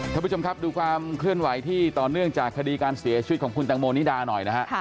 ท่านผู้ชมครับดูความเคลื่อนไหวที่ต่อเนื่องจากคดีการเสียชีวิตของคุณตังโมนิดาหน่อยนะฮะ